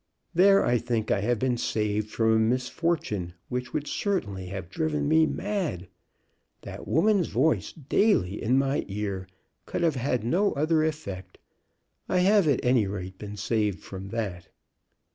There I think I have been saved from a misfortune which would certainly have driven me mad. That woman's voice daily in my ear could have had no other effect. I have at any rate been saved from that."